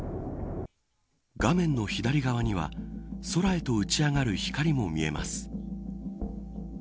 画面の左側には空へと打ち上がる光も見えます。